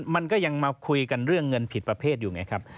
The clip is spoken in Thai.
มันก็ยังมาคุยกันเรื่องเงินผิดประเภทอยู่ไงครับ